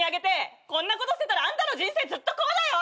こんなことしてたらあんたの人生ずっとこうだよ！